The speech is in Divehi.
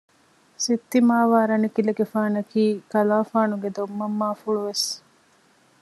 ސިއްތިމާވާ ރަނިކިލެގެފާނަކީ ކަލާފާނުގެ ދޮންމަންމާފުޅު ވެސް